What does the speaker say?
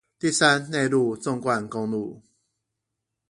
第三內陸縱貫公路